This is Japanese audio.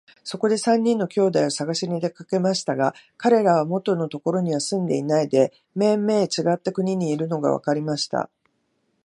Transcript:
そこで三人の兄弟をさがしに出かけましたが、かれらは元のところには住んでいないで、めいめいちがった国にいるのがわかりました。